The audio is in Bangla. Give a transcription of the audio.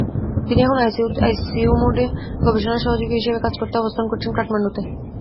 তিনি এখন আইসিইমোডে গবেষণা সহযোগী হিসেবে কাজ করতে অবস্থান করছেন কাঠমান্ডুতে।